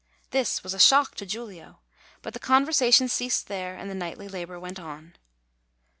This was a shock to Giulio; but the conversation ceased there, and the nightly labor went on.